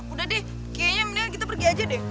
udah deh kayaknya minia kita pergi aja deh